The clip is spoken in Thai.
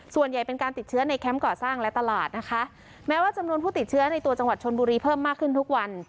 เป็นการติดเชื้อในแคมป์ก่อสร้างและตลาดนะคะแม้ว่าจำนวนผู้ติดเชื้อในตัวจังหวัดชนบุรีเพิ่มมากขึ้นทุกวัน